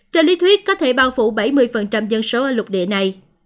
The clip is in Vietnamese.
trên lý thuyết có thể bao phủ bảy mươi dân số ở lục địa này